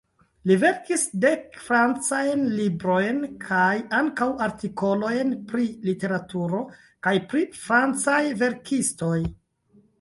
Li verkis dek francajn librojn kaj ankaŭ artikolojn pri literaturo kaj pri francaj verkistoj.